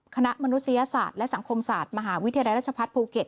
มนุษยศาสตร์และสังคมศาสตร์มหาวิทยาลัยราชพัฒนภูเก็ต